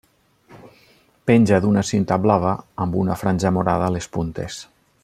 Penja d'una cinta blava, amb una franja morada a les puntes.